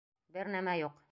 Бер нәмә юҡ!